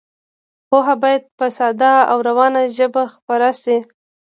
پوهه باید په ساده او روانه ژبه خپره شي.